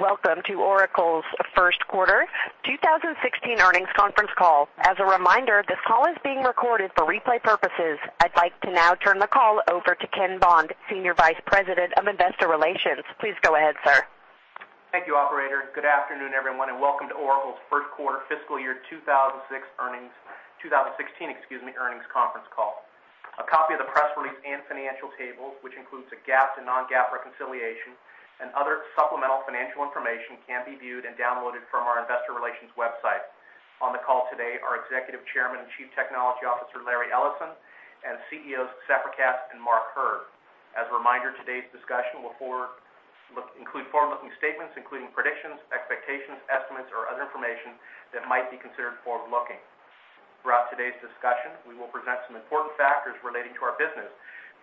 Welcome to Oracle's first quarter 2016 earnings conference call. As a reminder, this call is being recorded for replay purposes. I'd like to now turn the call over to Ken Bond, Senior Vice President of Investor Relations. Please go ahead, sir. Thank you, operator. Good afternoon, everyone, and welcome to Oracle's first quarter fiscal year 2016, excuse me, earnings conference call. A copy of the press release and financial table, which includes a GAAP and non-GAAP reconciliation and other supplemental financial information, can be viewed and downloaded from our investor relations website. On the call today are Executive Chairman and Chief Technology Officer, Larry Ellison, and CEOs, Safra Catz and Mark Hurd. As a reminder, today's discussion will include forward-looking statements, including predictions, expectations, estimates, or other information that might be considered forward-looking. Throughout today's discussion, we will present some important factors relating to our business,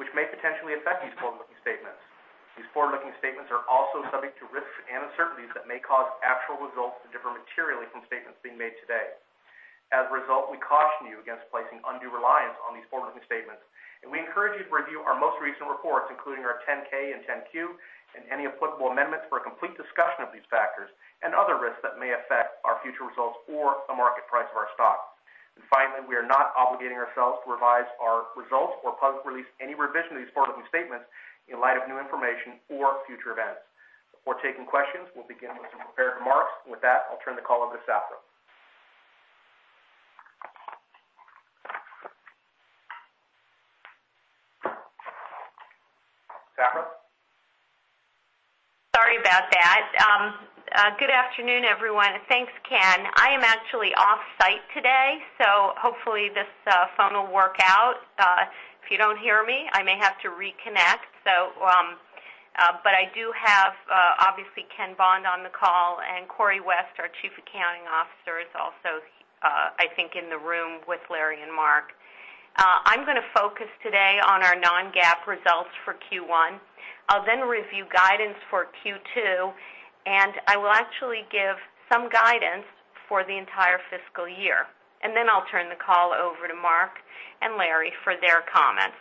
which may potentially affect these forward-looking statements. These forward-looking statements are also subject to risks and uncertainties that may cause actual results to differ materially from statements being made today. As a result, we caution you against placing undue reliance on these forward-looking statements, and we encourage you to review our most recent reports, including our 10-K and 10-Q, and any applicable amendments for a complete discussion of these factors and other risks that may affect our future results or the market price of our stock. Finally, we are not obligating ourselves to revise our results or release any revision of these forward-looking statements in light of new information or future events. Before taking questions, we'll begin with some prepared remarks. With that, I'll turn the call over to Safra. Safra? Sorry about that. Good afternoon, everyone. Thanks, Ken. I am actually off-site today, so hopefully this phone will work out. If you don't hear me, I may have to reconnect. I do have, obviously, Ken Bond on the call, and Corey West, our Chief Accounting Officer, is also, I think, in the room with Larry and Mark. I'm going to focus today on our non-GAAP results for Q1. I'll then review guidance for Q2, and I will actually give some guidance for the entire fiscal year. Then I'll turn the call over to Mark and Larry for their comments.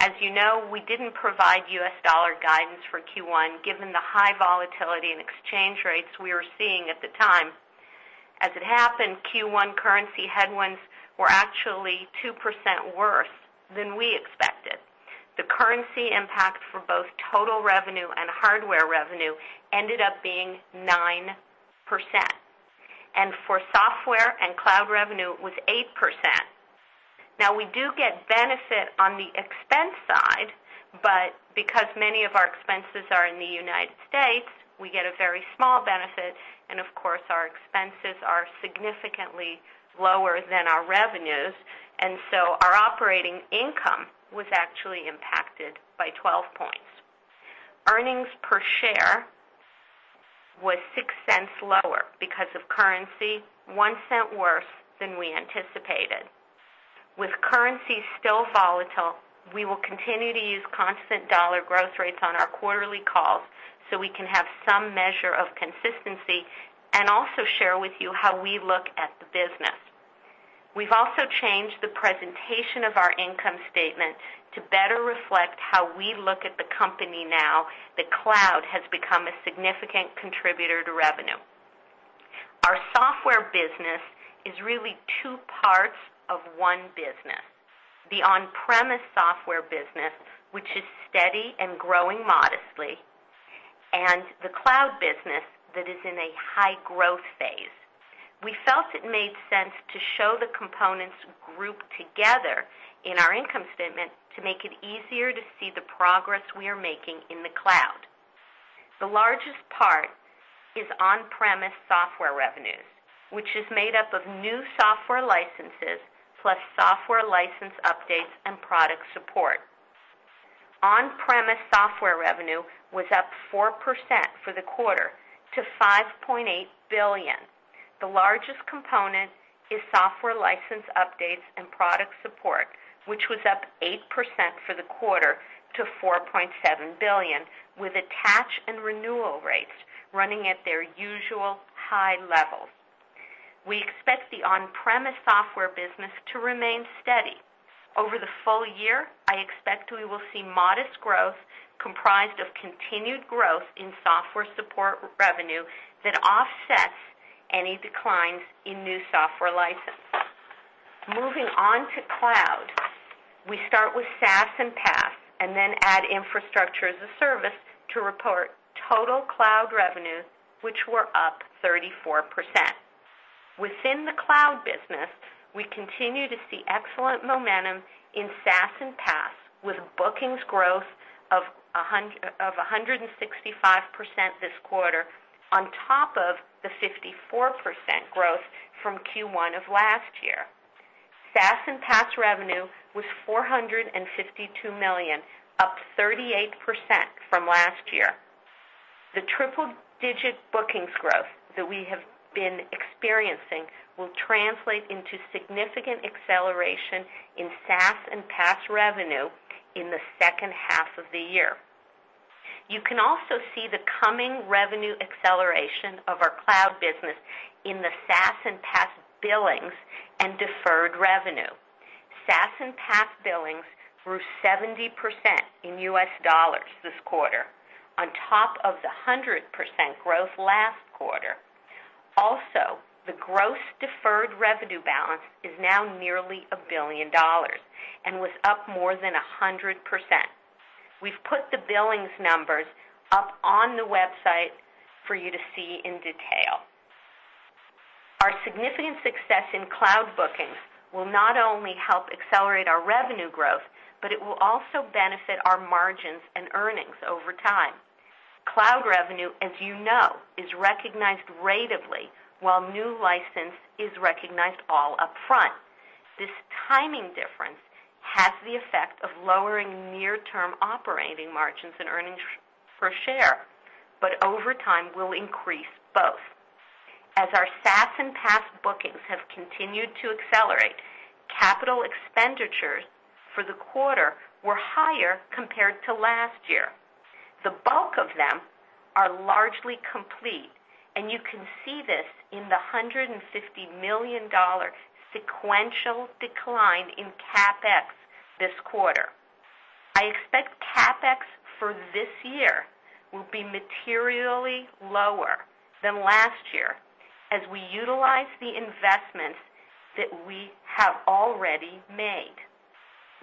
As you know, we didn't provide U.S. dollar guidance for Q1, given the high volatility in exchange rates we were seeing at the time. As it happened, Q1 currency headwinds were actually 2% worse than we expected. The currency impact for both total revenue and hardware revenue ended up being 9%. For software and cloud revenue, it was 8%. Now, we do get benefit on the expense side, but because many of our expenses are in the U.S., we get a very small benefit. Our expenses are significantly lower than our revenues. So our operating income was actually impacted by 12 points. Earnings per share was $0.06 lower because of currency, $0.01 worse than we anticipated. With currency still volatile, we will continue to use constant dollar growth rates on our quarterly calls so we can have some measure of consistency and also share with you how we look at the business. We've also changed the presentation of our income statement to better reflect how we look at the company now that cloud has become a significant contributor to revenue. Our software business is really two parts of one business, the on-premise software business, which is steady and growing modestly, and the cloud business that is in a high growth phase. We felt it made sense to show the components grouped together in our income statement to make it easier to see the progress we are making in the cloud. The largest part is on-premise software revenues, which is made up of new software licenses plus software license updates and product support. On-premise software revenue was up 4% for the quarter to $5.8 billion. The largest component is software license updates and product support, which was up 8% for the quarter to $4.7 billion, with attach and renewal rates running at their usual high levels. We expect the on-premise software business to remain steady. Over the full year, I expect we will see modest growth comprised of continued growth in software support revenue that offsets any declines in new software license. Moving on to cloud. We start with SaaS and PaaS and then add Infrastructure as a Service to report total cloud revenues, which were up 34%. Within the cloud business, we continue to see excellent momentum in SaaS and PaaS, with bookings growth of 165% this quarter on top of the 54% growth from Q1 of last year. SaaS and PaaS revenue was $452 million, up 38% from last year. The triple-digit bookings growth that we have been experiencing will translate into significant acceleration in SaaS and PaaS revenue in the second half of the year. You can also see the coming revenue acceleration of our cloud business in the SaaS and PaaS billings and deferred revenue. SaaS and PaaS billings grew 70% in US dollars this quarter on top of the 100% growth last quarter. The gross deferred revenue balance is now nearly $1 billion and was up more than 100%. We've put the billings numbers up on the website for you to see in detail. Our significant success in cloud bookings will not only help accelerate our revenue growth, but it will also benefit our margins and earnings over time. Cloud revenue, as you know, is recognized ratably while new license is recognized all upfront. This timing difference has the effect of lowering near-term operating margins and earnings per share, but over time will increase both. As our SaaS and PaaS bookings have continued to accelerate, capital expenditures for the quarter were higher compared to last year. The bulk of them are largely complete, and you can see this in the $150 million sequential decline in CapEx this quarter. I expect CapEx for this year will be materially lower than last year as we utilize the investments that we have already made.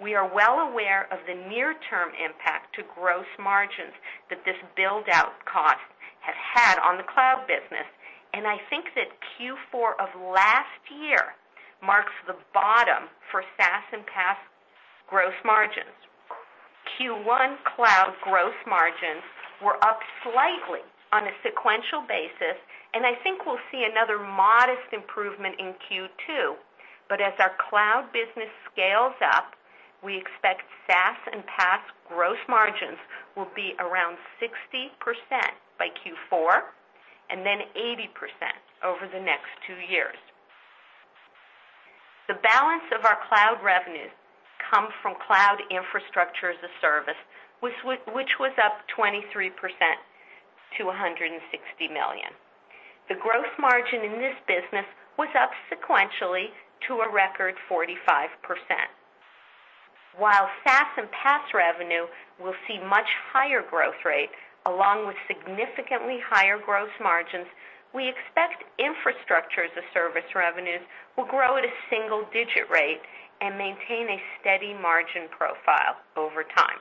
We are well aware of the near-term impact to gross margins that this build-out cost has had on the cloud business, and I think that Q4 of last year marks the bottom for SaaS and PaaS gross margins. Q1 cloud gross margins were up slightly on a sequential basis, and I think we'll see another modest improvement in Q2. As our cloud business scales up, we expect SaaS and PaaS gross margins will be around 60% by Q4 and then 80% over the next two years. The balance of our cloud revenues come from cloud infrastructure as a service, which was up 23% to $160 million. The gross margin in this business was up sequentially to a record 45%. While SaaS and PaaS revenue will see much higher growth rate along with significantly higher gross margins, we expect infrastructure as a service revenues will grow at a single-digit rate and maintain a steady margin profile over time.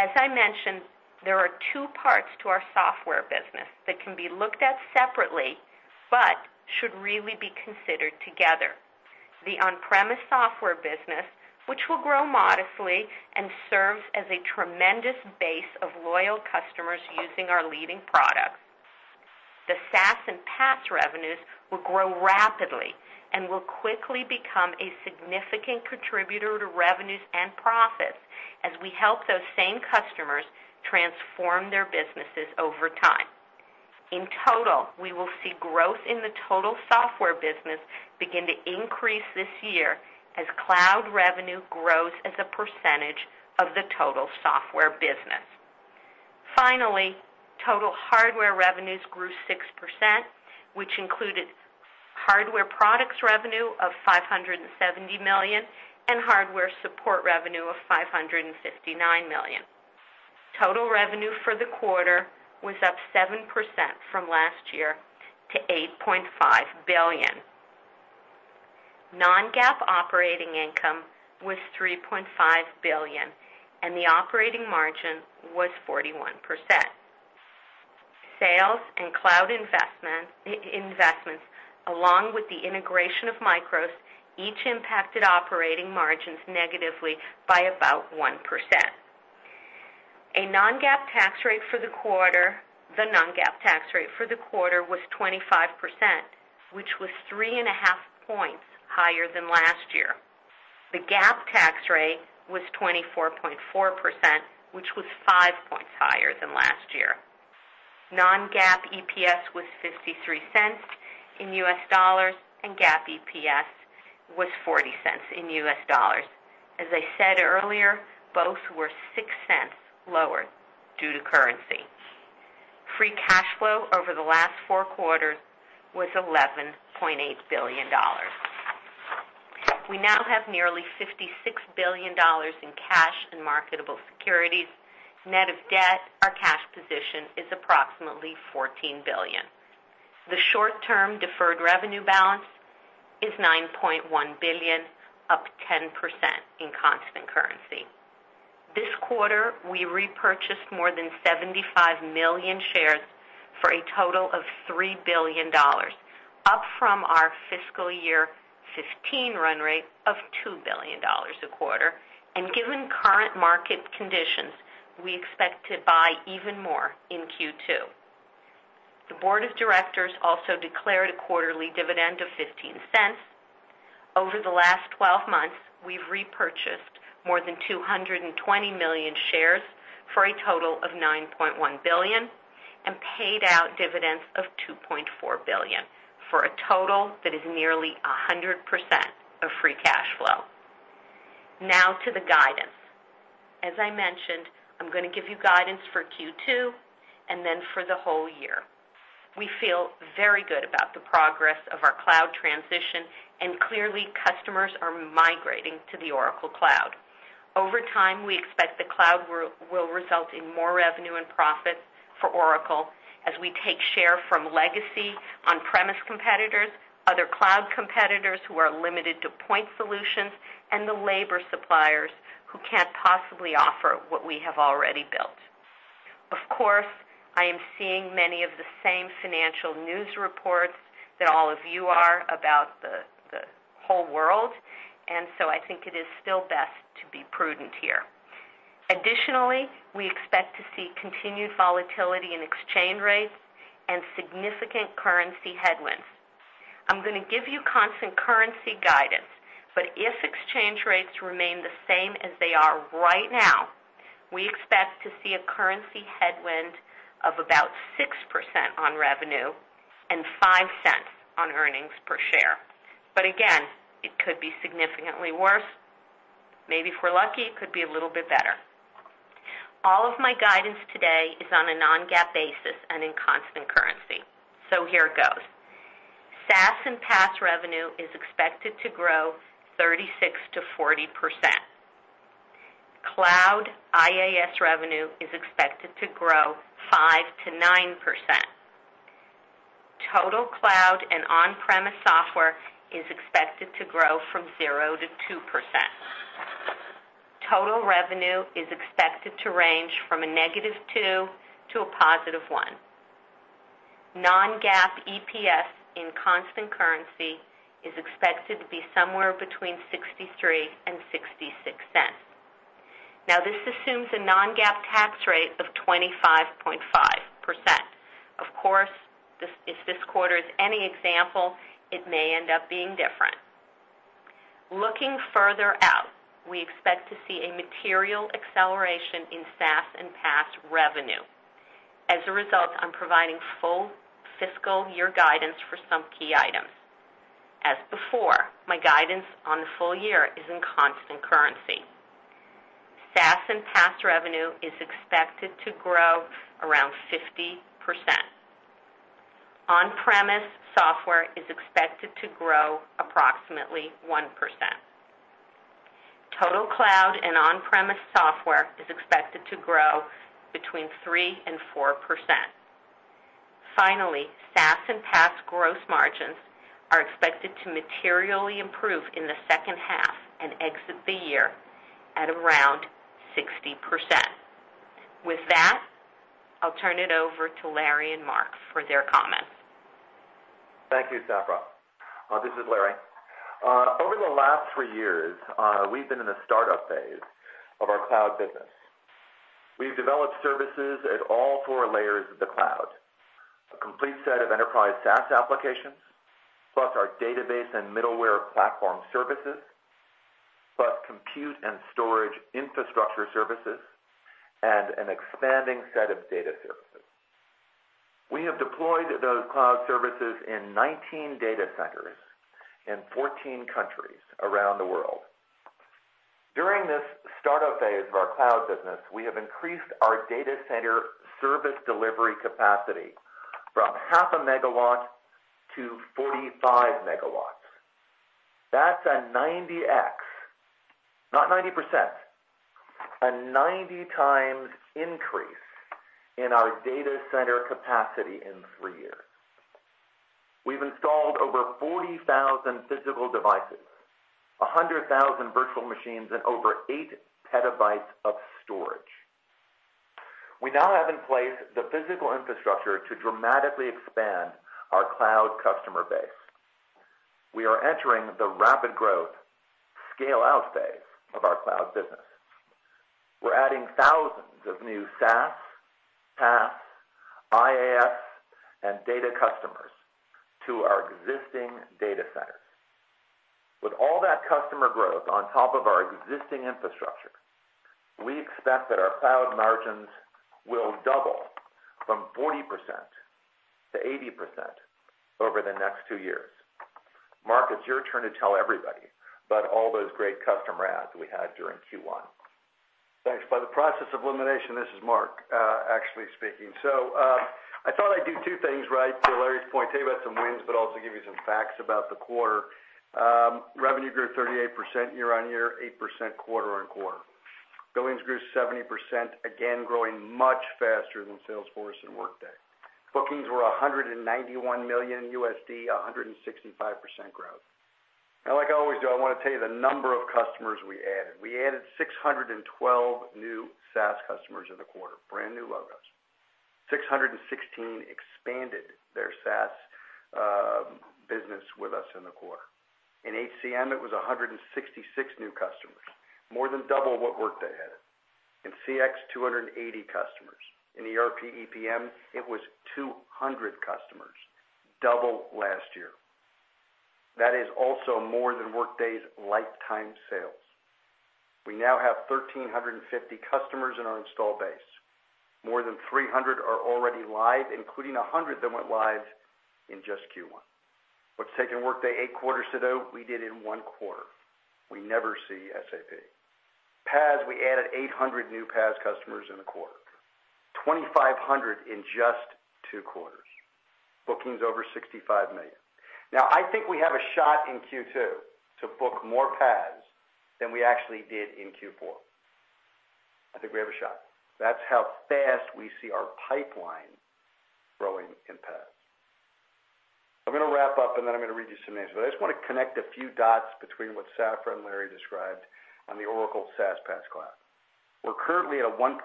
As I mentioned, there are two parts to our software business that can be looked at separately but should really be considered together. The on-premise software business, which will grow modestly and serves as a tremendous base of loyal customers using our leading products. The SaaS and PaaS revenues will grow rapidly and will quickly become a significant contributor to revenues and profits as we help those same customers transform their businesses over time. In total, we will see growth in the total software business begin to increase this year as cloud revenue grows as a percentage of the total software business. Total hardware revenues grew 6%, which included hardware products revenue of $570 million and hardware support revenue of $559 million. Total revenue for the quarter was up 7% from last year to $8.5 billion. Non-GAAP operating income was $3.5 billion, and the operating margin was 41%. Sales and cloud investments, along with the integration of MICROS, each impacted operating margins negatively by about 1%. The non-GAAP tax rate for the quarter was 25%, which was three and a half points higher than last year. The GAAP tax rate was 24.4%, which was five points higher than last year. Non-GAAP EPS was $0.53. GAAP EPS was $0.40. As I said earlier, both were $0.06 lower due to currency. Free cash flow over the last four quarters was $11.8 billion. We now have nearly $56 billion in cash and marketable securities. Net of debt, our cash position is approximately $14 billion. The short-term deferred revenue balance is $9.1 billion, up 10% in constant currency. This quarter, we repurchased more than 75 million shares for a total of $3 billion, up from our fiscal year 2015 run rate of $2 billion a quarter. Given current market conditions, we expect to buy even more in Q2. The board of directors also declared a quarterly dividend of $0.15. Over the last 12 months, we've repurchased more than 220 million shares for a total of $9.1 billion and paid out dividends of $2.4 billion, for a total that is nearly 100% of free cash flow. To the guidance. As I mentioned, I'm going to give you guidance for Q2 and then for the whole year. We feel very good about the progress of our cloud transition, and clearly customers are migrating to the Oracle Cloud. Over time, we expect the cloud will result in more revenue and profit for Oracle as we take share from legacy on-premise competitors, other cloud competitors who are limited to point solutions, and the labor suppliers who can't possibly offer what we have already built. Of course, I am seeing many of the same financial news reports that all of you are about the whole world. I think it is still best to be prudent here. Additionally, we expect to see continued volatility in exchange rates and significant currency headwinds. I'm going to give you constant currency guidance, but if exchange rates remain the same as they are right now, we expect to see a currency headwind of about 6% on revenue and $0.05 on earnings per share. Again, it could be significantly worse. Maybe if we're lucky, it could be a little bit better. All of my guidance today is on a non-GAAP basis and in constant currency. Here goes. SaaS and PaaS revenue is expected to grow 36%-40%. Cloud IaaS revenue is expected to grow 5%-9%. Total cloud and on-premise software is expected to grow from 0% to 2%. Total revenue is expected to range from -2% to +1%. Non-GAAP EPS in constant currency is expected to be somewhere between $0.63 and $0.66. This assumes a non-GAAP tax rate of 25.5%. Of course, if this quarter is any example, it may end up being different. Looking further out, we expect to see a material acceleration in SaaS and PaaS revenue. As a result, I'm providing full fiscal year guidance for some key items. As before, my guidance on the full year is in constant currency. SaaS and PaaS revenue is expected to grow around 50%. On-premise software is expected to grow approximately 1%. Total cloud and on-premise software is expected to grow between 3% and 4%. SaaS and PaaS gross margins are expected to materially improve in the second half and exit the year at around 60%. With that, I'll turn it over to Larry and Mark for their comments. Thank you, Safra. This is Larry. Over the last three years, we've been in the startup phase of our cloud business. We've developed services at all four layers of the cloud. A complete set of enterprise SaaS applications, plus our database and middleware platform services, plus compute and storage infrastructure services, and an expanding set of data services. We have deployed those cloud services in 19 data centers in 14 countries around the world. During this startup phase of our cloud business, we have increased our data center service delivery capacity from half a megawatt to 45 megawatts. That's a 90x, not 90%, a 90 times increase in our data center capacity in three years. We've installed over 40,000 physical devices, 100,000 virtual machines, and over eight petabytes of storage. We now have in place the physical infrastructure to dramatically expand our cloud customer base. We are entering the rapid growth scale-out phase of our cloud business. We're adding thousands of new SaaS, PaaS, IaaS, and data customers to our existing data centers. With all that customer growth on top of our existing infrastructure, we expect that our cloud margins will double from 40%-80% over the next two years. Mark, it's your turn to tell everybody about all those great customer adds we had during Q1. Thanks. By the process of elimination, this is Mark actually speaking. I thought I'd do two things, to Larry's point, tell you about some wins, but also give you some facts about the quarter. Revenue grew 38% year-on-year, 8% quarter-on-quarter. Billings grew 70%, again, growing much faster than Salesforce and Workday. Bookings were $191 million, 165% growth. Like I always do, I want to tell you the number of customers we added. We added 612 new SaaS customers in the quarter, brand new logos. 616 expanded their SaaS business with us in the quarter. In HCM, it was 166 new customers, more than double what Workday had. In CX, 280 customers. In ERP/EPM, it was 200 customers, double last year. That is also more than Workday's lifetime sales. We now have 1,350 customers in our install base. More than 300 are already live, including 100 that went live in just Q1. What's taken Workday eight quarters to do, we did in one quarter. We never see SAP. PaaS, we added 800 new PaaS customers in the quarter, 2,500 in just two quarters. Bookings over $65 million. I think we have a shot in Q2 to book more PaaS than we actually did in Q4. I think we have a shot. That's how fast we see our pipeline growing in PaaS. I'm going to wrap up. I'm going to read you some names. I just want to connect a few dots between what Safra and Larry described on the Oracle SaaS PaaS cloud. We're currently at a $1.8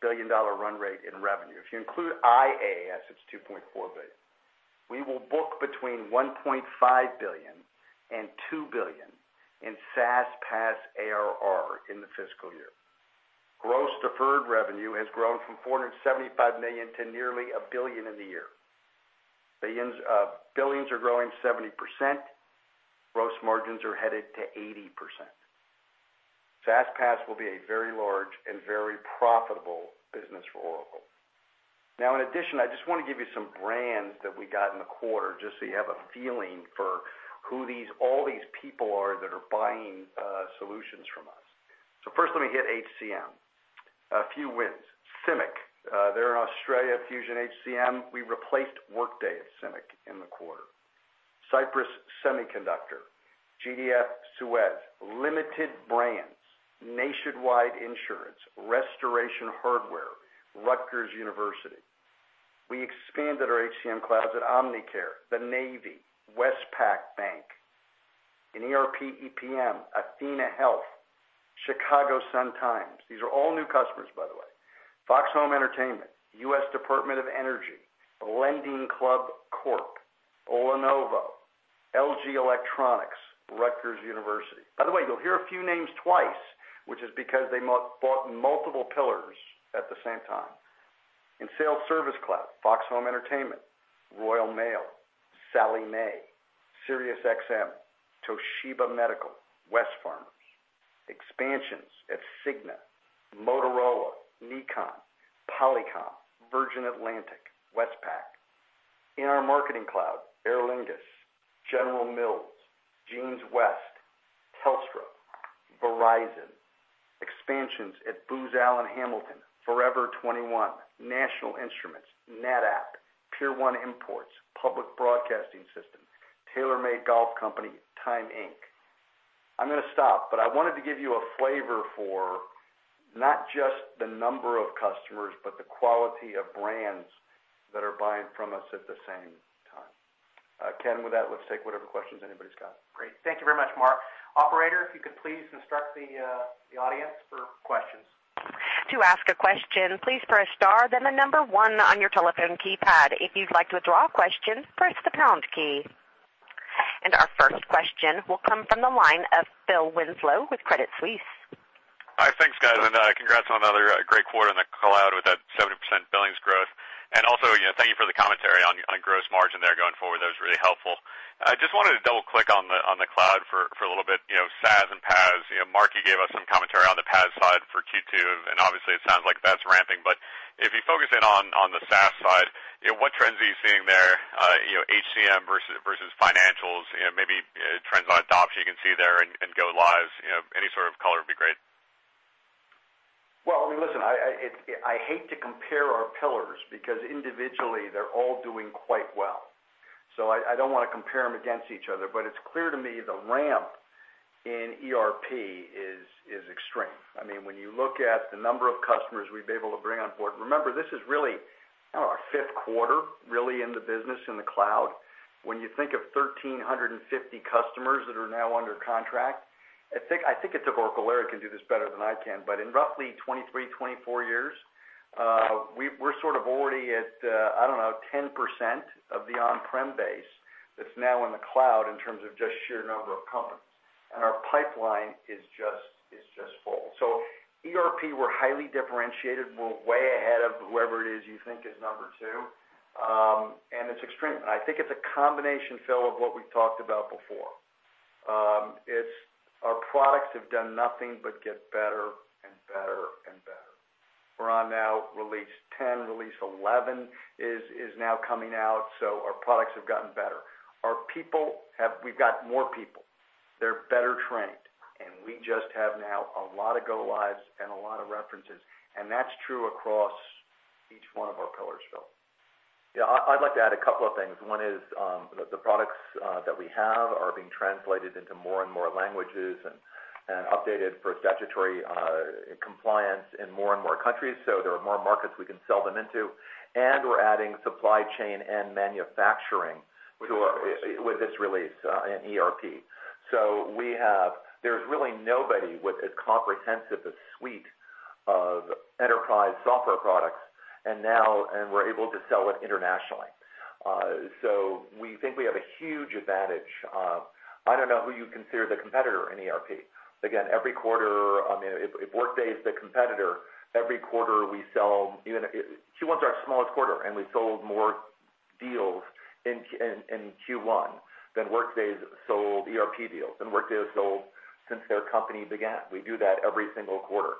billion run rate in revenue. If you include IaaS, that's its $2.4 billion. We will book between $1.5 billion and $2 billion in SaaS PaaS ARR in the fiscal year. Gross deferred revenue has grown from $475 million to nearly $1 billion in the year. Billings are growing 70%. Gross margins are headed to 80%. SaaS PaaS will be a very large and very profitable business for Oracle. In addition, I just want to give you some brands that we got in the quarter, just so you have a feeling for who all these people are that are buying solutions from us. First, let me hit HCM. A few wins. CIMIC, they're in Australia, Fusion HCM. We replaced Workday at CIMIC in the quarter. Cypress Semiconductor, GDF SUEZ, Limited Brands, Nationwide Insurance, Restoration Hardware, Rutgers University. We expanded our HCM clouds at Omnicare, the Navy, Westpac Bank. In ERP EPM, athenahealth, Chicago Sun-Times. These are all new customers, by the way. Fox Home Entertainment, U.S. Department of Energy, LendingClub Corp, Lenovo, LG Electronics, Rutgers University. By the way, you'll hear a few names twice, which is because they bought multiple pillars at the same time. In Service Cloud, Fox Home Entertainment, Royal Mail, Sallie Mae, Sirius XM, Toshiba Medical, Wesfarmers. Expansions at Cigna, Motorola, Nikon, Polycom, Virgin Atlantic, Westpac. In our Marketing Cloud, Aer Lingus, General Mills, Jeanswest, Telstra, Verizon. Expansions at Booz Allen Hamilton, Forever 21, National Instruments, NetApp, Pier 1 Imports, Public Broadcasting Service, TaylorMade Golf Company, Time Inc. I'm going to stop. I wanted to give you a flavor for not just the number of customers, but the quality of brands that are buying from us at the same time. Ken, with that, let's take whatever questions anybody's got. Great. Thank you very much, Mark. Operator, if you could please instruct the audience for questions. To ask a question, please press star then the number one on your telephone keypad. If you'd like to withdraw a question, press the pound key. Our first question will come from the line of Philip Winslow with Credit Suisse. Hi. Thanks, guys. Congrats on another great quarter in the cloud with that 70% Billings growth. Also, thank you for the commentary on gross margin there going forward. That was really helpful. I just wanted to double-click on the cloud for a little bit, SaaS and PaaS. Mark, you gave us some commentary on the PaaS side for Q2, and obviously, it sounds like that's ramping. If you focus in on the SaaS side, what trends are you seeing there? HCM versus financials, maybe trends on adoption you can see there and go lives. Any sort of color would be great. Well, listen, I hate to compare our pillars because individually, they're all doing quite well. I don't want to compare them against each other, it's clear to me the ramp in ERP is extreme. When you look at the number of customers we've been able to bring on board, remember, this is really our fifth quarter, really in the business, in the cloud. When you think of 1,350 customers that are now under contract, I think it's Oracle, Larry can do this better than I can, but in roughly 23, 24 years, we're sort of already at, I don't know, 10% of the on-prem base that's now in the cloud in terms of just sheer number of companies. Our pipeline is just full. ERP, we're highly differentiated. We're way ahead of whoever it is you think is number two. It's extreme. I think it's a combination, Phil, of what we've talked about before. Our products have done nothing but get better and better and better. We're on now release 10, release 11 is now coming out, our products have gotten better. Our people, we've got more people. They're better trained, we just have now a lot of go lives and a lot of references, that's true across each one of our pillars, Phil. I'd like to add a couple of things. One is, the products that we have are being translated into more and more languages and updated for statutory compliance in more and more countries. There are more markets we can sell them into. We're adding supply chain and manufacturing with this release in ERP. There's really nobody with as comprehensive a suite of enterprise software products, and we're able to sell it internationally. We think we have a huge advantage. I don't know who you'd consider the competitor in ERP. Every quarter, if Workday is the competitor, every quarter we sell, Q1's our smallest quarter, and we sold more deals in Q1 than Workday's sold ERP deals, than Workday has sold since their company began. We do that every single quarter.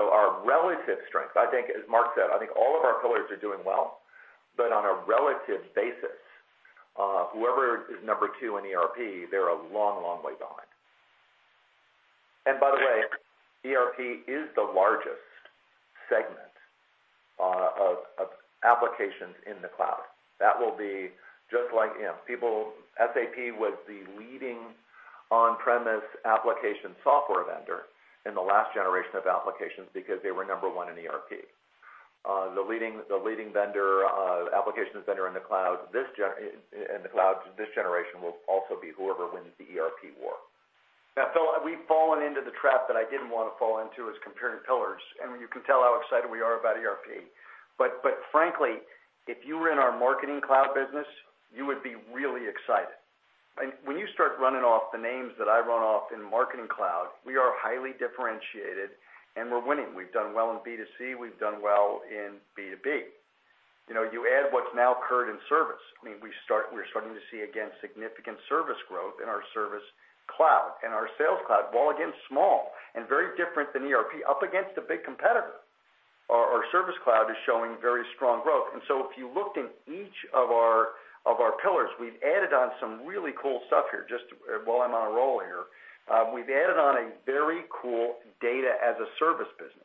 Our relative strength, I think as Mark said, I think all of our pillars are doing well. On a relative basis, whoever is number two in ERP, they're a long, long way behind. By the way, ERP is the largest segment of applications in the cloud. SAP was the leading on-premise application software vendor in the last generation of applications because they were number one in ERP. The leading applications vendor in the cloud, this generation will also be whoever wins the ERP war. Phil, we've fallen into the trap that I didn't want to fall into, is comparing pillars, and you can tell how excited we are about ERP. Frankly, if you were in our Marketing Cloud business, you would be really excited. When you start running off the names that I run off in Marketing Cloud, we are highly differentiated and we're winning. We've done well in B2C, we've done well in B2B. You add what's now occurred in service. We're starting to see, again, significant service growth in our Service Cloud, in our Sales Cloud. While, again, small and very different than ERP, up against a big competitor, our Service Cloud is showing very strong growth. If you looked in each of our pillars, we've added on some really cool stuff here, just while I'm on a roll here. We've added on a very cool Data as a Service business.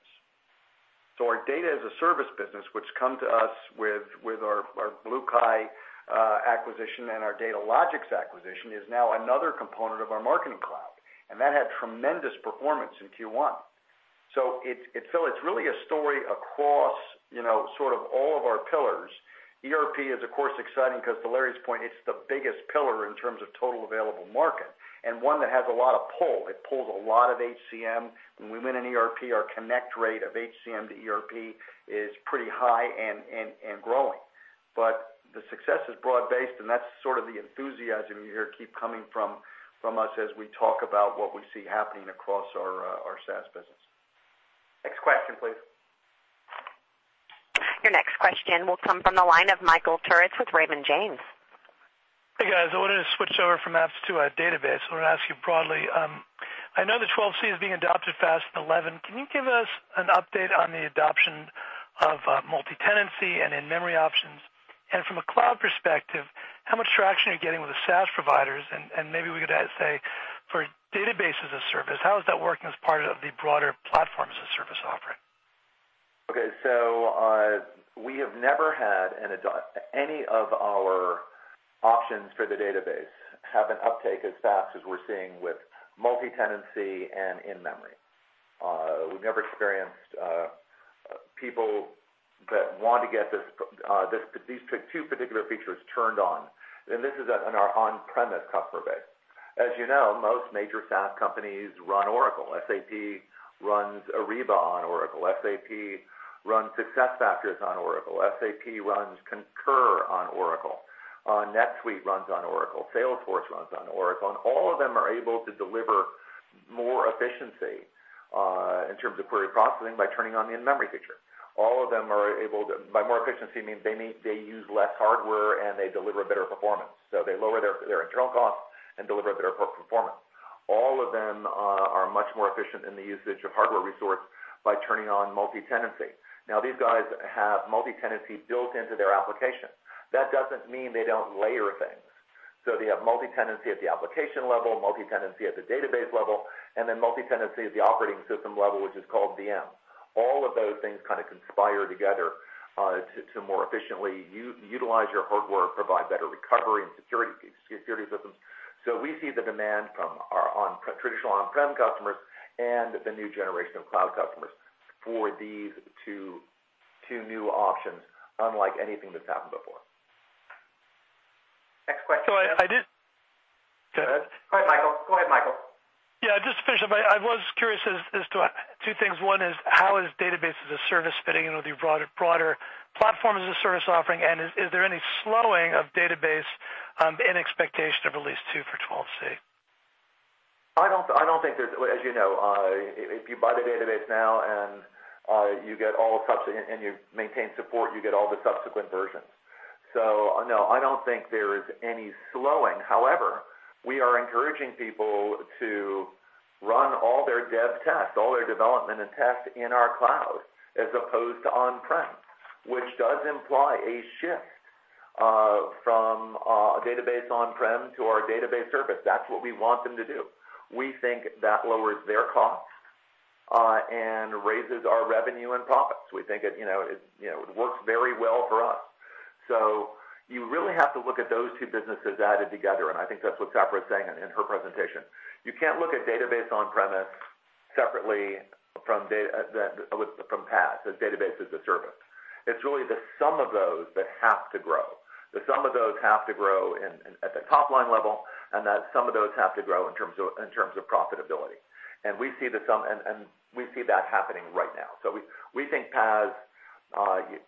Our Data as a Service business, which come to us with our BlueKai acquisition and our Datalogix acquisition, is now another component of our Marketing Cloud, and that had tremendous performance in Q1. Phil, it's really a story across sort of all of our pillars. ERP is, of course, exciting because to Larry's point, it's the biggest pillar in terms of total available market and one that has a lot of pull. It pulls a lot of HCM. When we win an ERP, our connect rate of HCM to ERP is pretty high and growing. The success is broad-based, and that's sort of the enthusiasm you hear keep coming from us as we talk about what we see happening across our SaaS business. Next question, please. Your next question will come from the line of Michael Turits with Raymond James. Hey, guys. I wanted to switch over from apps to our database. I want to ask you broadly, I know that 12c is being adopted faster than 11. Can you give us an update on the adoption of multitenancy and In-Memory options? From a cloud perspective, how much traction are you getting with the SaaS providers? Maybe we could add, say, for Data as a Service, how is that working as part of the broader Platform as a Service offering? Okay. We have never had any of our options for the database have an uptake as fast as we're seeing with multitenancy and In-Memory. We've never experienced people that want to get these two particular features turned on, and this is on our on-premise customer base. As you know, most major SaaS companies run Oracle. SAP runs Ariba on Oracle. SAP runs SuccessFactors on Oracle. SAP runs Concur on Oracle. NetSuite runs on Oracle. Salesforce runs on Oracle, all of them are able to deliver more efficiency in terms of query processing by turning on the In-Memory feature. By more efficiency, means they use less hardware and they deliver better performance. They lower their internal costs and deliver a better performance. All of them are much more efficient in the usage of hardware resource by turning on multitenancy. These guys have multitenancy built into their application. That doesn't mean they don't layer things. They have multitenancy at the application level, multitenancy at the database level, and then multitenancy at the operating system level, which is called VM. All of those things kind of conspire together to more efficiently utilize your hardware, provide better recovery and security systems. We see the demand from our traditional on-prem customers and the new generation of cloud customers for these two new options, unlike anything that's happened before. Next question. I did- Go ahead, Michael. Yeah, just to finish up, I was curious as to two things. One is, how is database as a service fitting in with your broader platform as a service offering, and is there any slowing of database in expectation of at least two for 12c? As you know, if you buy the database now and you maintain support, you get all the subsequent versions. No, I don't think there is any slowing. However, we are encouraging people to run all their dev tests, all their development and tests in our cloud as opposed to on-prem, which does imply a shift from a database on-prem to our database service. That's what we want them to do. We think that lowers their costs, and raises our revenue and profits. We think it works very well for us. You really have to look at those two businesses added together, and I think that's what Safra was saying in her presentation. You can't look at database on-premise separately from PaaS, as database as a service. It's really the sum of those that have to grow. The sum of those have to grow at the top line level, and that sum of those have to grow in terms of profitability. We see that happening right now. We think PaaS,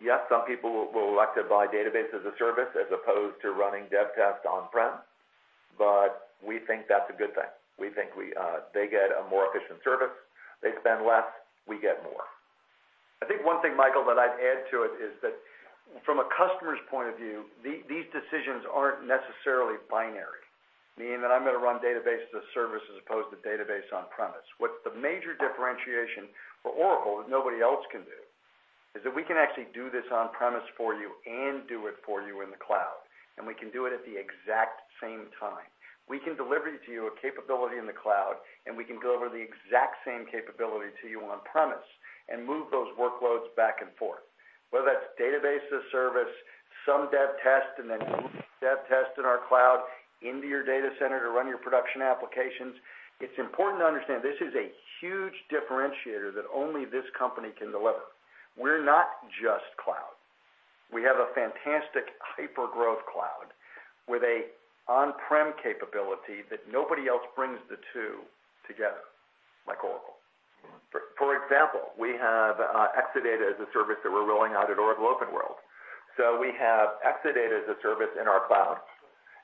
yes, some people will elect to buy database as a service as opposed to running dev test on-prem, but we think that's a good thing. We think they get a more efficient service. They spend less, we get more. I think one thing, Michael, that I'd add to it is that from a customer's point of view, these decisions aren't necessarily binary. Meaning that I'm going to run Database as a Service as opposed to Database on-premise. What's the major differentiation for Oracle that nobody else can do, is that we can actually do this on-premise for you and do it for you in the cloud, and we can do it at the exact same time. We can deliver to you a capability in the cloud, and we can deliver the exact same capability to you on-premise and move those workloads back and forth. Whether that's Database as a Service, some dev test, and then dev test in our cloud into your data center to run your production applications. It's important to understand this is a huge differentiator that only this company can deliver. We're not just cloud. We have a fantastic hypergrowth cloud with an on-prem capability that nobody else brings the two together like Oracle. We have Exadata as a service that we're rolling out at Oracle OpenWorld. We have Exadata as a service in our cloud,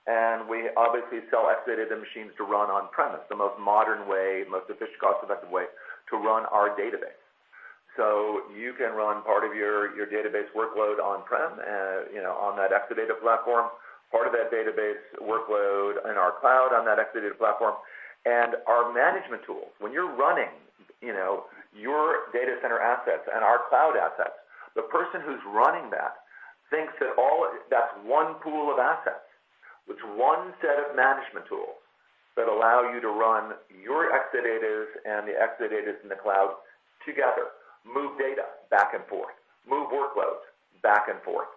and we obviously sell Exadata machines to run on-premise, the most modern way, the most efficient, cost-effective way to run our database. You can run part of your database workload on-prem, on that Exadata platform, part of that database workload in our cloud on that Exadata platform. Our management tool, when you're running your data center assets and our cloud assets, the person who's running that thinks that that's one pool of assets with one set of management tools that allow you to run your Exadatas and the Exadatas in the cloud together, move data back and forth, move workloads back and forth.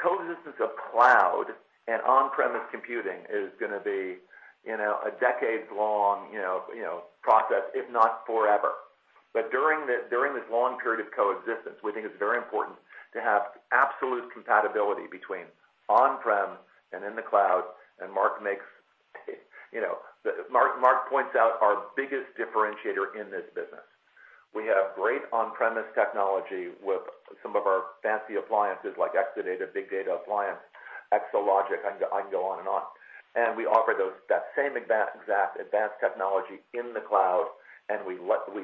Coexistence of cloud and on-premise computing is going to be a decades-long process, if not forever. During this long period of coexistence, we think it's very important to have absolute compatibility between on-prem and in the cloud. Mark points out our biggest differentiator in this business. We have great on-premise technology with some of our fancy appliances like Exadata, Big Data Appliance, Exalogic, I can go on and on. We offer that same exact advanced technology in the cloud, and we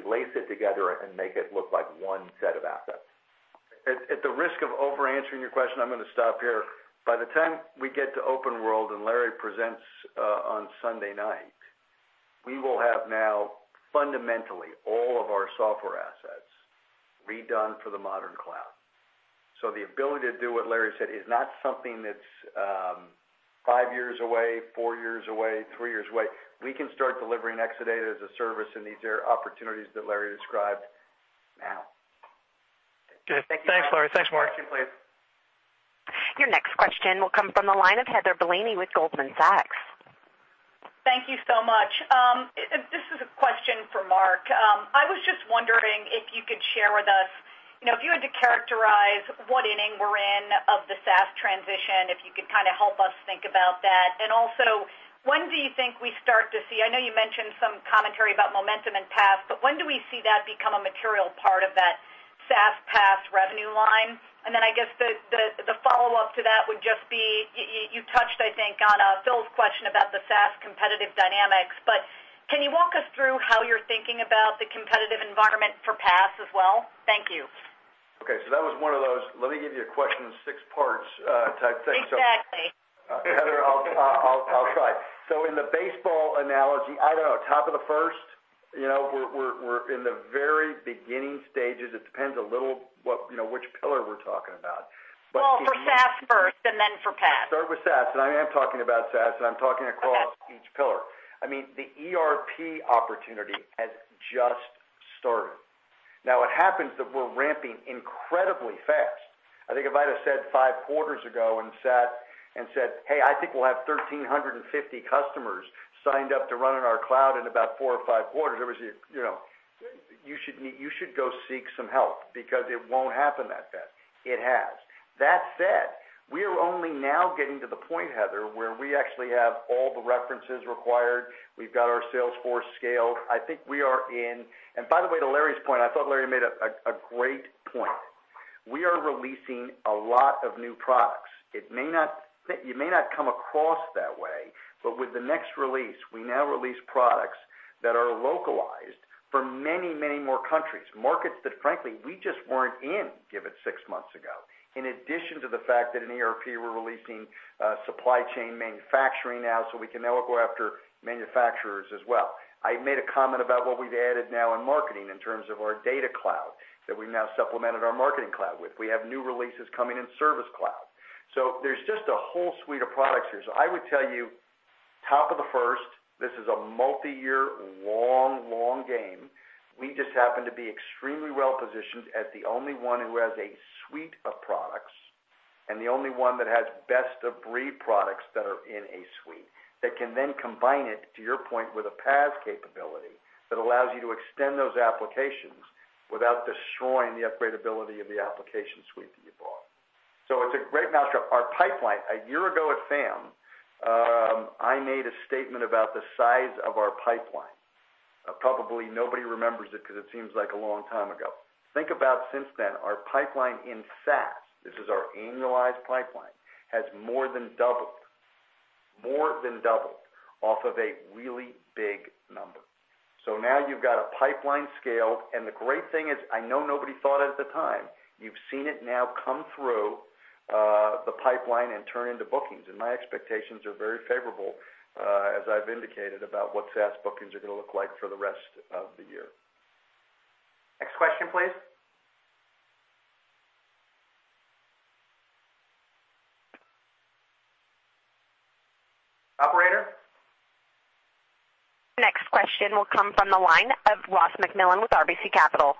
lace it together and make it look like one set of assets. At the risk of over answering your question, I'm going to stop here. By the time we get to OpenWorld and Larry presents on Sunday night, we will have now fundamentally all of our software assets redone for the modern cloud. The ability to do what Larry said is not something that's five years away, four years away, three years away. We can start delivering Exadata as a service and these opportunities that Larry described now. Good. Thanks, Larry. Thanks, Mark. Thank you, please. Your next question will come from the line of Heather Bellini with Goldman Sachs. Thank you so much. This is a question for Mark. I was just wondering if you could share with us, if you had to characterize what inning we're in of the SaaS transition, if you could kind of help us think about that. Also, when do you think we start to see, I know you mentioned some commentary about momentum in PaaS, but when do we see that become a material part of that SaaS PaaS revenue line? Then I guess the follow-up to that would just be, you touched, I think, on Phil's question about the SaaS competitive dynamics, but can you walk us through how you're thinking about the competitive environment for PaaS as well? Thank you. Okay, that was one of those, let me give you a question in six parts type thing. Exactly. Heather, I'll try. In the baseball analogy, I don't know, top of the first, we're in the very beginning stages. It depends a little which pillar we're talking about. Well, for SaaS first, and then for PaaS. Start with SaaS, and I am talking about SaaS, and I'm talking across each pillar. The ERP opportunity has just started. Now, it happens that we're ramping incredibly fast. I think if I'd have said five quarters ago and said, "Hey, I think we'll have 1,350 customers signed up to run on our cloud in about four or five quarters," you should go seek some help because it won't happen that fast. It has. That said, we are only now getting to the point, Heather, where we actually have all the references required. We've got our sales force scaled. By the way, to Larry's point, I thought Larry made a great point. We are releasing a lot of new products. It may not come across that way, but with the next release, we now release products that are localized for many, many more countries, markets that frankly, we just weren't in give it six months ago. In addition to the fact that in ERP, we're releasing supply chain manufacturing now, so we can now go after manufacturers as well. I made a comment about what we've added now in marketing in terms of our Data Cloud that we've now supplemented our Marketing Cloud with. We have new releases coming in Service Cloud. There's just a whole suite of products here. I would tell you, top of the first, this is a multi-year, long game. We just happen to be extremely well-positioned as the only one who has a suite of products, and the only one that has best-of-breed products that are in a suite that can then combine it, to your point, with a PaaS capability that allows you to extend those applications without destroying the upgradability of the application suite that you bought. It's a great matchup. Our pipeline, a year ago at FAM, I made a statement about the size of our pipeline. Probably nobody remembers it because it seems like a long time ago. Think about since then, our pipeline in SaaS, this is our annualized pipeline, has more than doubled. More than doubled off of a really big number. Now you've got a pipeline scale, the great thing is, I know nobody thought at the time, you've seen it now come through the pipeline and turn into bookings. My expectations are very favorable, as I've indicated, about what SaaS bookings are going to look like for the rest of the year. Next question, please. Operator? Next question will come from the line of Ross MacMillan with RBC Capital.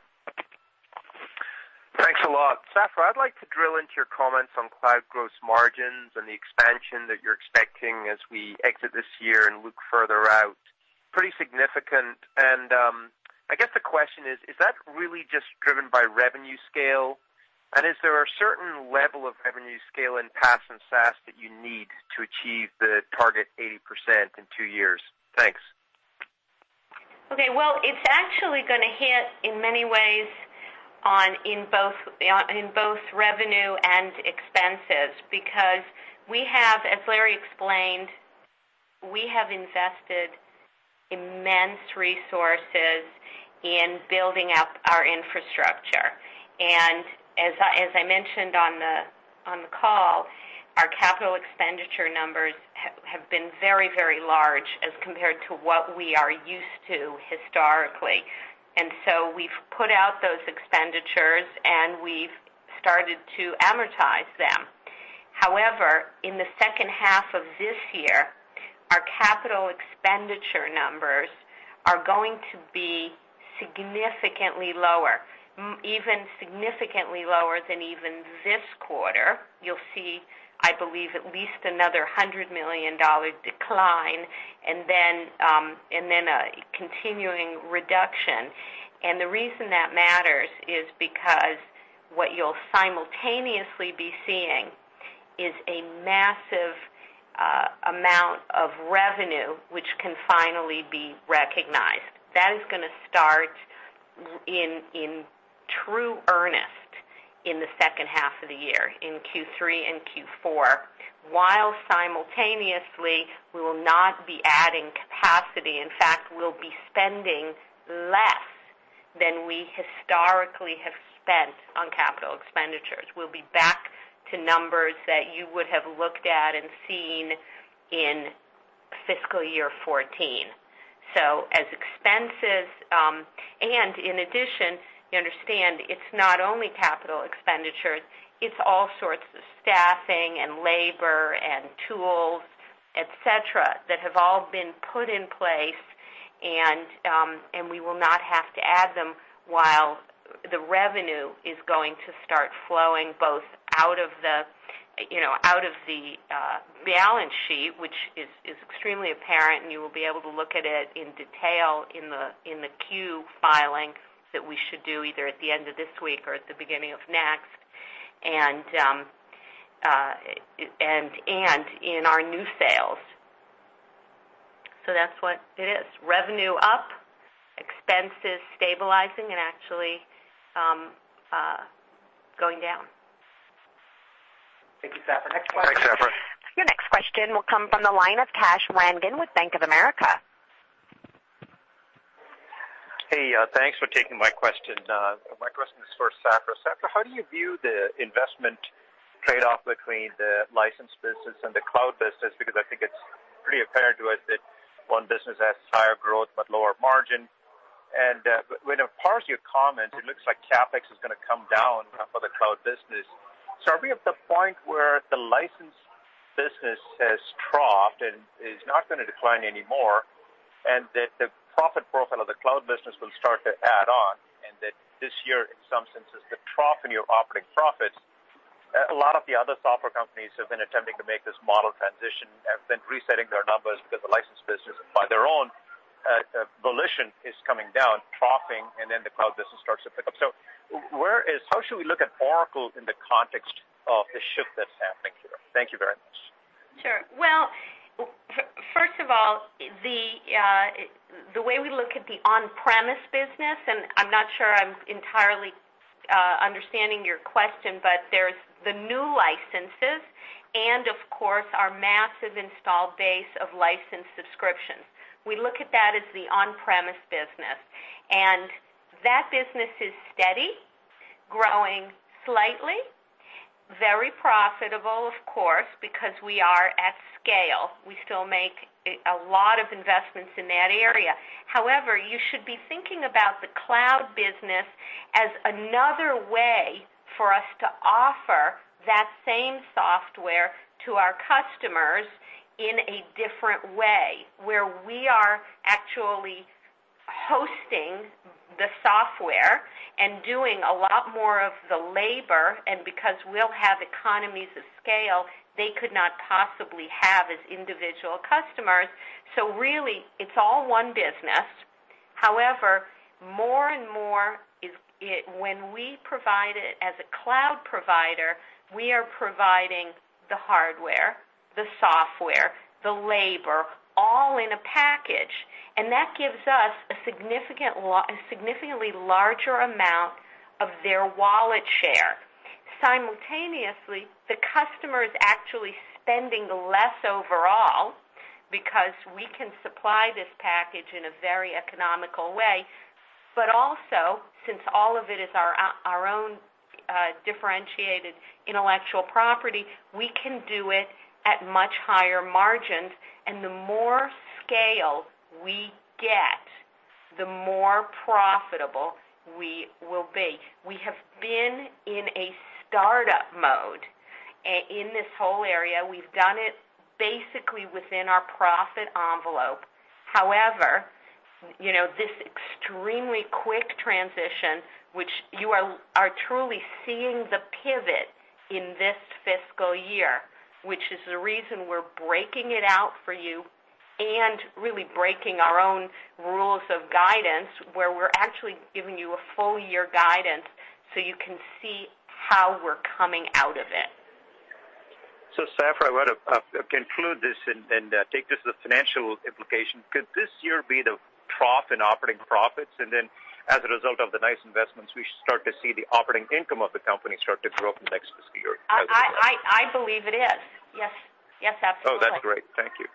Thanks a lot. Safra, I'd like to drill into your comments on cloud gross margins and the expansion that you're expecting as we exit this year and look further out. Pretty significant, I guess the question is that really just driven by revenue scale? Is there a certain level of revenue scale in PaaS and SaaS that you need to achieve the target 80% in 2 years? Thanks. Okay. Well, it's actually going to hit in many ways in both revenue and expenses, because we have, as Larry explained, we have invested immense resources in building up our infrastructure. As I mentioned on the call, our capital expenditure numbers have been very large as compared to what we are used to historically. We've put out those expenditures, and we've started to amortize them. However, in the second half of this year, our capital expenditure numbers are going to be significantly lower, even significantly lower than even this quarter. You'll see, I believe, at least another $100 million decline, then a continuing reduction. The reason that matters is because what you'll simultaneously be seeing is a massive amount of revenue which can finally be recognized. That is going to start in true earnest in the second half of the year, in Q3 and Q4, while simultaneously, we will not be adding capacity. In fact, we'll be spending less than we historically have spent on capital expenditures. We'll be back to numbers that you would have looked at and seen in fiscal year 2014. In addition, you understand it's not only capital expenditures, it's all sorts of staffing and labor and tools, et cetera, that have all been put in place, and we will not have to add them while the revenue is going to start flowing both out of the balance sheet, which is extremely apparent, and you will be able to look at it in detail in the Q filing that we should do either at the end of this week or at the beginning of next, and in our new sales. That's what it is. Revenue up, expenses stabilizing, and actually going down. Thank you, Safra. Next question. Thanks, Safra. Your next question will come from the line of Kash Rangan with Bank of America. Hey, thanks for taking my question. My question is for Safra. Safra, how do you view the investment trade-off between the license business and the cloud business? I think it's pretty apparent to us that one business has higher growth but lower margin. When I parse your comment, it looks like CapEx is going to come down for the cloud business. Are we at the point where the license business has troughed and is not going to decline anymore, and that the profit profile of the cloud business will start to add on, and that this year, in some senses, the trough in your operating profits, a lot of the other software companies have been attempting to make this model transition, have been resetting their numbers because the license business, by their own volition, is coming down, troughing, and then the cloud business starts to pick up. how should we look at Oracle in the context of the shift that's happening here? Thank you very much. Sure. Well, first of all, the way we look at the on-premise business, and I'm not sure I'm entirely understanding your question, but there's the new licenses and, of course, our massive install base of license subscriptions. We look at that as the on-premise business, and that business is steady, growing slightly, very profitable, of course, because we are at scale. We still make a lot of investments in that area. However, you should be thinking about the cloud business as another way for us to offer that same software to our customers in a different way, where we are actually hosting the software and doing a lot more of the labor, and because we'll have economies of scale, they could not possibly have as individual customers. really, it's all one business. However, more and more, when we provide it as a cloud provider, we are providing the hardware, the software, the labor, all in a package, and that gives us a significantly larger amount of their wallet share. Simultaneously, the customer is actually spending less overall because we can supply this package in a very economical way. also, since all of it is our own differentiated intellectual property, we can do it at much higher margins, and the more scale we get, the more profitable we will be. We have been in a startup mode in this whole area. We've done it basically within our profit envelope. However, this extremely quick transition, which you are truly seeing the pivot in this fiscal year, which is the reason we're breaking it out for you and really breaking our own rules of guidance, where we're actually giving you a full-year guidance so you can see how we're coming out of it. Safra, I want to conclude this and take this as a financial implication. Could this year be the trough in operating profits, and then as a result of the nice investments, we should start to see the operating income of the company start to grow from next fiscal year? I believe it is, yes. Yes, absolutely. That's great. Thank you.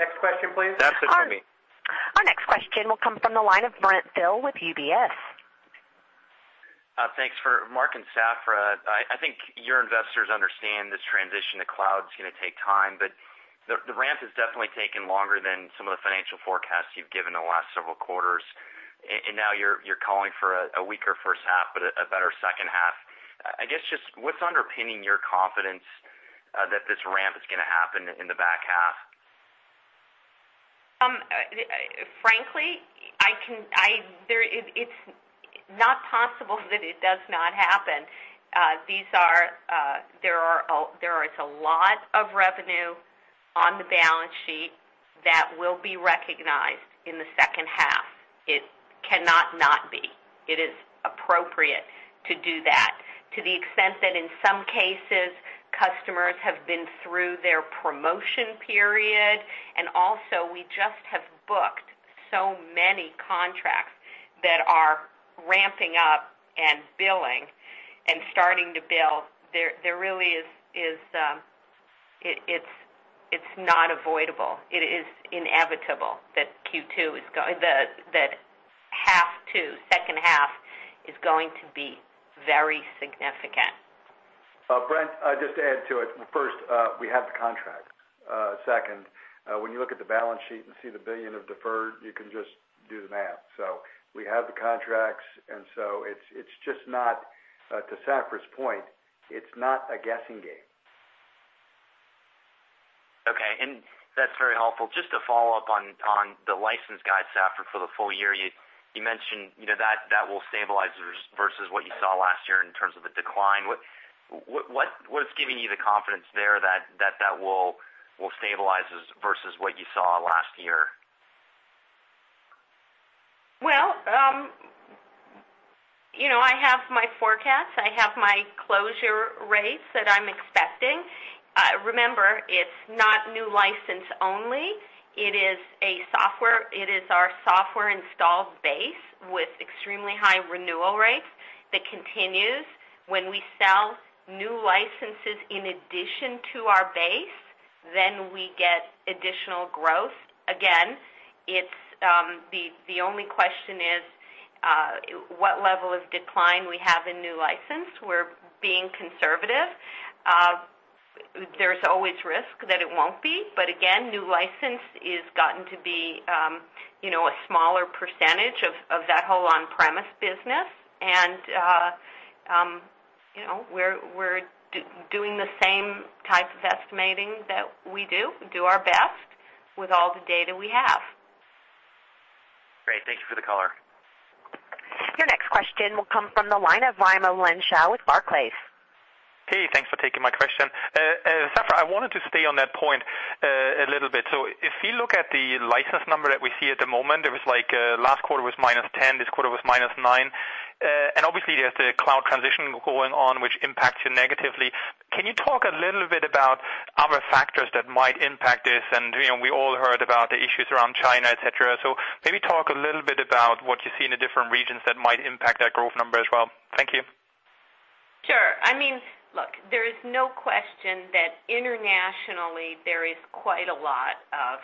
Next question, please. That's it for me. Our next question will come from the line of Brent Thill with UBS. Thanks. For Mark and Safra, I think your investors understand this transition to cloud's going to take time, but the ramp has definitely taken longer than some of the financial forecasts you've given in the last several quarters. Now you're calling for a weaker first half, but a better second half. I guess just what's underpinning your confidence that this ramp is going to happen in the back half? Frankly, it's not possible that it does not happen. There is a lot of revenue on the balance sheet that will be recognized in the second half. It cannot not be. It is appropriate to do that to the extent that in some cases, customers have been through their promotion period. Also we just have booked so many contracts that are ramping up and billing and starting to bill. It's not avoidable. It is inevitable that Q2, that half two, second half, is going to be very significant. Brent, just to add to it. First, we have the contracts. Second, when you look at the balance sheet and see the $1 billion of deferred, you can just do the math. We have the contracts, to Safra's point, it's not a guessing game. Okay. That's very helpful. Just to follow up on the license guide, Safra, for the full year, you mentioned that will stabilize versus what you saw last year in terms of the decline. What's giving you the confidence there that will stabilize versus what you saw last year? Well, I have my forecast. I have my closure rates that I'm expecting. Remember, it's not new license only. It is our software installed base with extremely high renewal rates that continues. When we sell new licenses in addition to our base, then we get additional growth. Again, the only question is, what level of decline we have in new license? We're being conservative. There's always risk that it won't be, new license is gotten to be a smaller percentage of that whole on-premise business, and we're doing the same type of estimating that we do. We do our best with all the data we have. Great. Thank you for the color. Your next question will come from the line of Raimo Lenschow with Barclays. Hey, thanks for taking my question. Safra, I wanted to stay on that point a little bit. If you look at the license number that we see at the moment, it was like last quarter was -10%, this quarter was -9%. Obviously there's the cloud transition going on, which impacts you negatively. Can you talk a little bit about other factors that might impact this? We all heard about the issues around China, et cetera. Maybe talk a little bit about what you see in the different regions that might impact that growth number as well. Thank you. Sure. Look, there is no question that internationally there is quite a lot of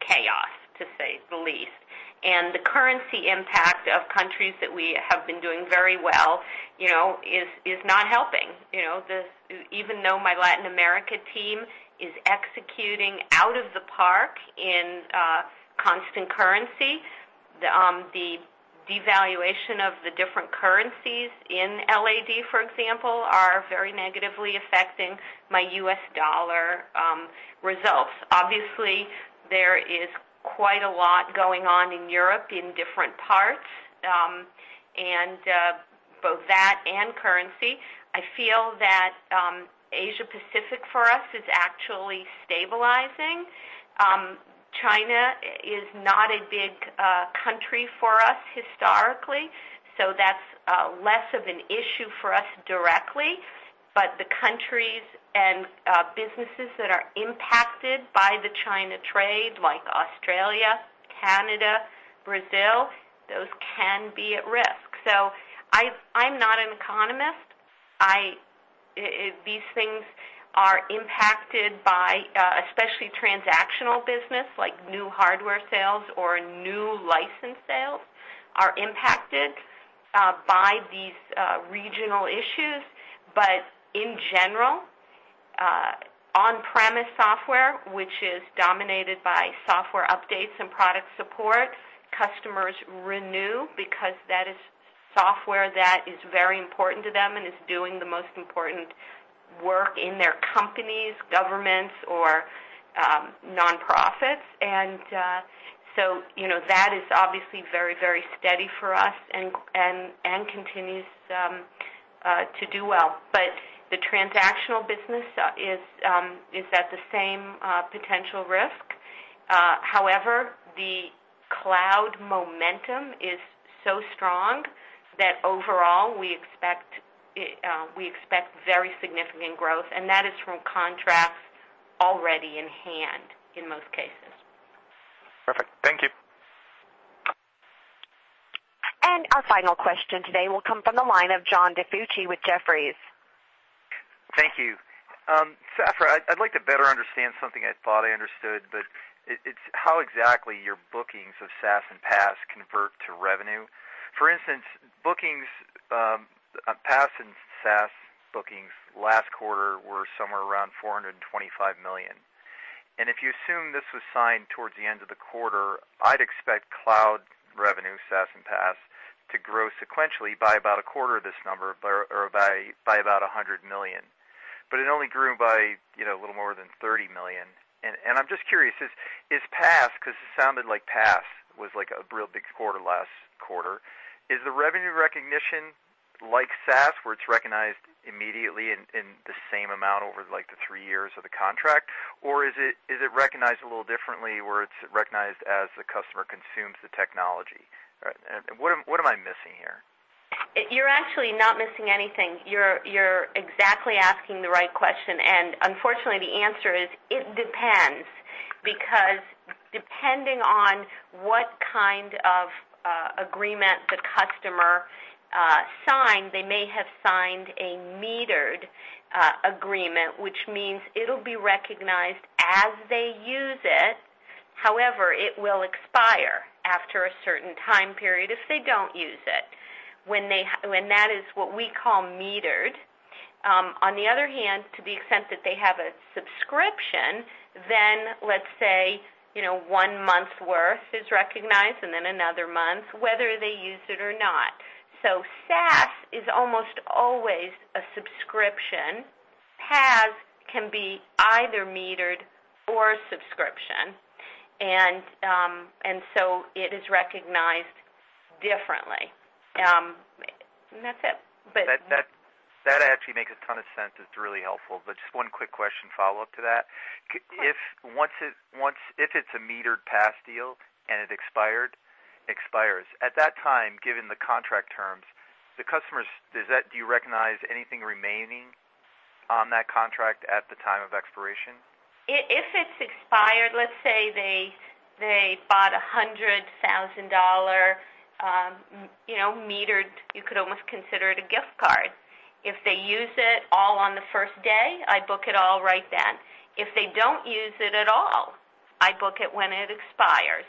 chaos, to say the least. The currency impact of countries that we have been doing very well is not helping. Even though my Latin America team is executing out of the park in constant currency, the devaluation of the different currencies in LAD, for example, are very negatively affecting my U.S. dollar results. Obviously, there is quite a lot going on in Europe in different parts, and both that and currency. I feel that Asia Pacific for us is actually stabilizing. China is not a big country for us historically, so that's less of an issue for us directly. The countries and businesses that are impacted by the China trade, like Australia, Canada, Brazil, those can be at risk. I'm not an economist. These things are impacted by, especially transactional business, like new hardware sales or new license sales, are impacted by these regional issues. In general, on-premise software, which is dominated by software updates and product support, customers renew because that is software that is very important to them and is doing the most important work in their companies, governments, or nonprofits. That is obviously very steady for us and continues to do well. The transactional business is at the same potential risk. However, the cloud momentum is so strong that overall, we expect very significant growth, and that is from contracts already in hand, in most cases. Perfect. Thank you. Our final question today will come from the line of John DiFucci with Jefferies. Thank you. Safra, I'd like to better understand something I thought I understood, but it's how exactly your bookings of SaaS and PaaS convert to revenue. For instance, bookings, PaaS and SaaS bookings last quarter were somewhere around $425 million. If you assume this was signed towards the end of the quarter, I'd expect cloud revenue, SaaS and PaaS, to grow sequentially by about a quarter of this number, or by about $100 million. It only grew by a little more than $30 million. I'm just curious, is PaaS, because it sounded like PaaS was a real big quarter last quarter. Is the revenue recognition like SaaS, where it's recognized immediately in the same amount over the three years of the contract, or is it recognized a little differently, where it's recognized as the customer consumes the technology? What am I missing here? You're actually not missing anything. You're exactly asking the right question, unfortunately the answer is, it depends. Depending on what kind of agreement the customer signed, they may have signed a metered agreement, which means it'll be recognized as they use it. However, it will expire after a certain time period if they don't use it. When that is what we call metered. On the other hand, to the extent that they have a subscription, then let's say, one month's worth is recognized and then another month, whether they use it or not. SaaS is almost always a subscription. PaaS can be either metered or subscription. It is recognized differently. That's it. That actually makes a ton of sense. It's really helpful. Just one quick question follow-up to that. Sure. If it's a metered PaaS deal and it expires, at that time, given the contract terms, the customers, do you recognize anything remaining on that contract at the time of expiration? If it's expired, let's say they bought a $100,000 metered, you could almost consider it a gift card. If they use it all on the first day, I book it all right then. If they don't use it at all, I book it when it expires.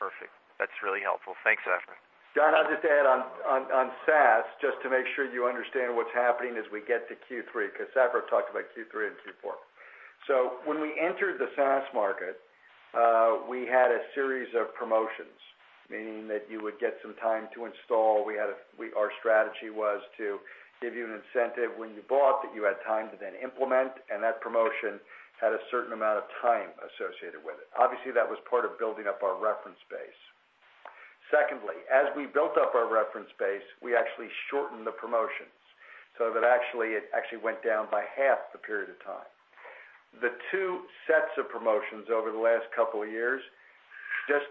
Perfect. That's really helpful. Thanks, Safra. John, I'll just add on SaaS, just to make sure you understand what's happening as we get to Q3, because Safra talked about Q3 and Q4. When we entered the SaaS market, we had a series of promotions, meaning that you would get some time to install. Our strategy was to give you an incentive when you bought that you had time to then implement, and that promotion had a certain amount of time associated with it. Obviously, that was part of building up our reference base. Secondly, as we built up our reference base, we actually shortened the promotions, so that it actually went down by half the period of time. The two sets of promotions over the last couple of years, just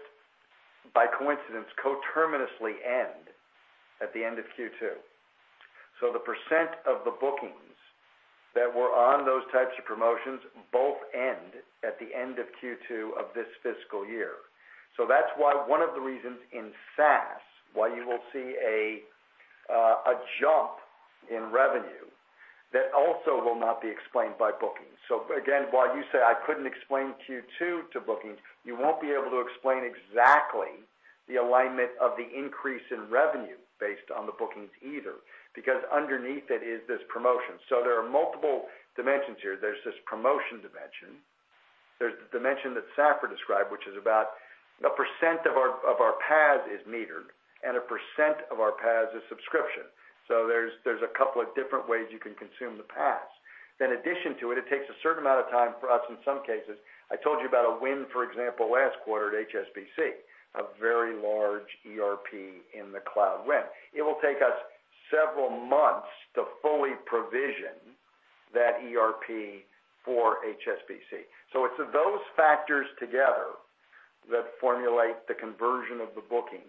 by coincidence, co-terminously end at the end of Q2. The % of the bookings that were on those types of promotions both end at the end of Q2 of this fiscal year. That's one of the reasons in SaaS why you will see a jump in revenue that also will not be explained by bookings. Again, while you say I couldn't explain Q2 to bookings, you won't be able to explain exactly the alignment of the increase in revenue based on the bookings either, because underneath it is this promotion. There are multiple dimensions here. There's this promotion dimension, there's the dimension that Safra described, which is about a % of our PaaS is metered and a % of our PaaS is subscription. There's a couple of different ways you can consume the PaaS. In addition to it takes a certain amount of time for us, in some cases. I told you about a win, for example, last quarter at HSBC, a very large ERP in the cloud win. It will take us several months to fully provision that ERP for HSBC. It's those factors together that formulate the conversion of the booking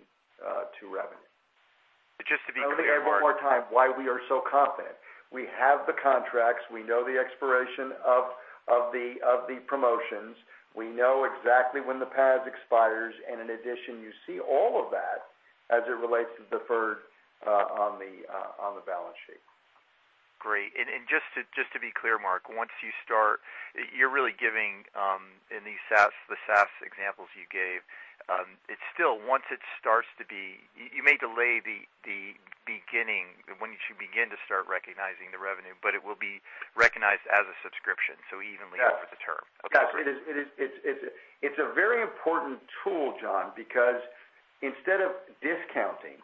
to revenue. Just to be clear, Mark, Let me add one more time why we are so confident. We have the contracts. We know the expiration of the promotions. We know exactly when the PaaS expires, in addition, you see all of that as it relates to deferred on the balance sheet. Great. Just to be clear, Mark, once you start, you're really giving, in the SaaS examples you gave, it's still once it starts to be You may delay the beginning, when you begin to start recognizing the revenue, but it will be recognized as a subscription so evenly Yes over the term. Okay, great. Yes. It's a very important tool, John, because instead of discounting,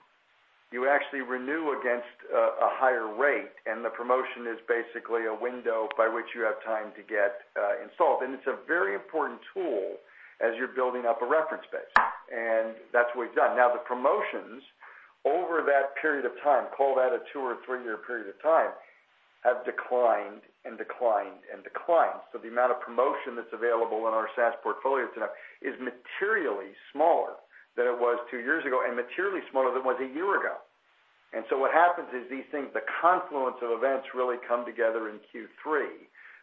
you actually renew against a higher rate, the promotion is basically a window by which you have time to get installed. It's a very important tool as you're building up a reference base, that's what we've done. Now, the promotions over that period of time, call that a two- or three-year period of time, have declined and declined and declined. The amount of promotion that's available in our SaaS portfolio today is materially smaller than it was two years ago and materially smaller than it was a year ago. What happens is these things, the confluence of events really come together in Q3,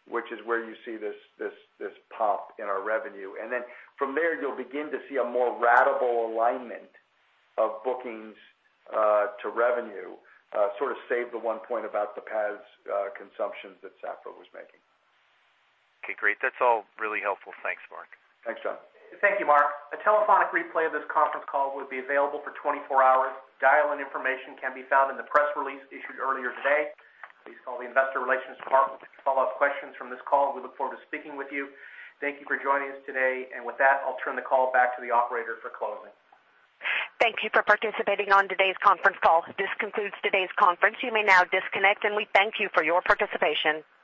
which is where you see this pop in our revenue. From there, you'll begin to see a more ratable alignment of bookings to revenue, sort of save the one point about the PaaS consumptions that Safra was making. Okay, great. That's all really helpful. Thanks, Mark. Thanks, John. Thank you, Mark. A telephonic replay of this conference call will be available for 24 hours. Dial-in information can be found in the press release issued earlier today. Please call the investor relations department with any follow-up questions from this call. We look forward to speaking with you. Thank you for joining us today. With that, I'll turn the call back to the operator for closing. Thank you for participating on today's conference call. This concludes today's conference. You may now disconnect, and we thank you for your participation.